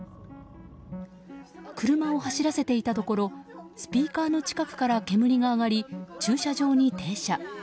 車を走らせていたところスピーカーの近くから煙が上がり駐車場に停車。